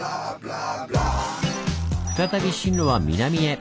再び進路は南へ。